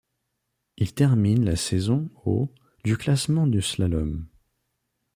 Il termine la saison au du classement du slalom.